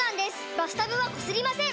バスタブはこすりません！